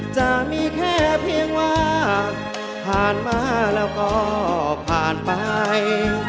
จะมีแค่เพียงว่าผ่านมาแล้วก็ผ่านไป